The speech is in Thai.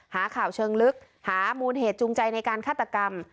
หาข่าวเชิงลึกหามูลเหตุจูงใจในการฆาตกรรม